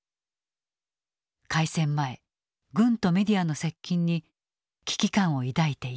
開戦前軍とメディアの接近に危機感を抱いていた。